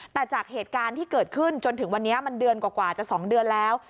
แต่จากเหตุการณ์ที่เกิดขึ้นจนถึงวันนี้มันเดือนกว่าจะ๒เดือนแล้ว